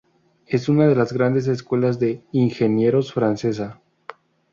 Es una de las Grandes Escuelas de ingenieros francesa.